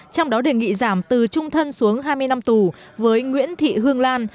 trong đó đề nghị giảm từ trung thân xuống hai mươi năm tù với nguyễn thị hương lan